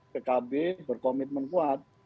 pkb berkomitmen kuat